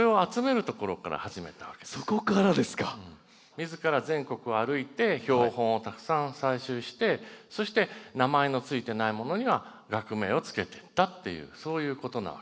みずから全国を歩いて標本をたくさん採集してそして名前の付いてないものには学名を付けていったっていうそういうことなわけです。